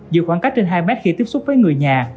giữ khoảng cách trên hai mét khi tiếp xúc với người nhà